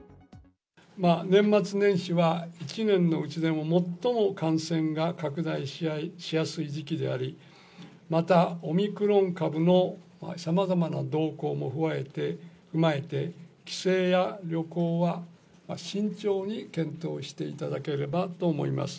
年末年始は１年のうちでも最も感染が拡大しやすい時期であり、またオミクロン株のさまざまな動向も踏まえて、帰省や旅行は慎重に検討していただければと思います。